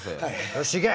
よし行け！